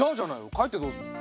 帰ってどうすんの。